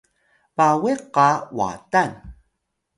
bawiq qa Watan